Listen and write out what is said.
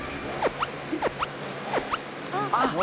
あっ！